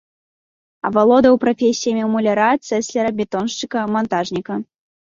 Авалодаў прафесіямі муляра, цесляра, бетоншчыка, мантажніка.